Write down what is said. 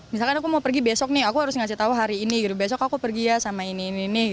misalkan aku mau pergi besok nih aku harus ngasih tahu hari ini gitu besok aku pergi ya sama ini ini